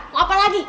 mau apa lagi